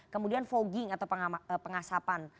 kemudian fogging atau pengasapan